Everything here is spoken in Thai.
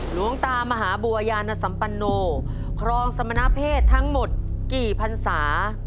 หลวงตามหาบัวยานสัมปโนครองสมณเพศทั้งหมดกี่พันศา